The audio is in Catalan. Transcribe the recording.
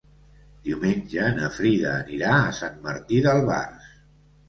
Diumenge na Frida anirà a Sant Martí d'Albars.